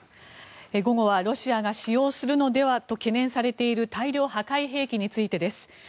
午後はロシアが使用するのではと懸念されている大量破壊兵器についてです。